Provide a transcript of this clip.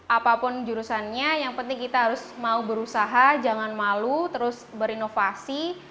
apapun jurusannya yang penting kita harus mau berusaha jangan malu terus berinovasi